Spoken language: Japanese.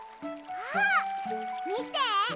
あっみて！